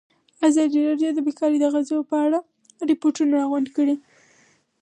ازادي راډیو د بیکاري د اغېزو په اړه ریپوټونه راغونډ کړي.